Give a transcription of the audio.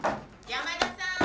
山田さん！